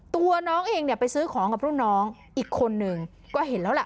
ตัวน้องเองเนี่ยไปซื้อของกับรุ่นน้องอีกคนนึงก็เห็นแล้วล่ะ